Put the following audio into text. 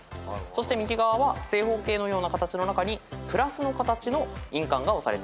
そして右側は正方形のような形の中にプラスの形の印鑑が押されています。